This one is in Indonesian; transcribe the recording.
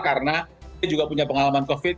karena dia juga punya pengalaman covid